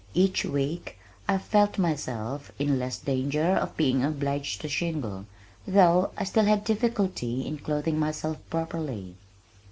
Each week I felt myself in less danger of being obliged to shingle, though I still had difficulty in clothing myself properly.